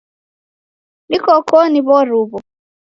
Niko koni w'oruw'o.